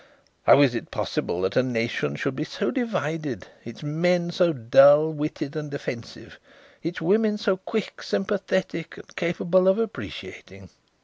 How is it possible that a nation should be so divided its men so dull witted and offensive, its women so quick, sympathetic and capable of appreciating?"